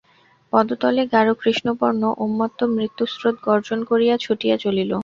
পদতলে গাঢ় কৃষ্ণবর্ণ উন্মত্ত মৃত্যুস্রোত গর্জন করিয়া ছুটিয়া চলিল।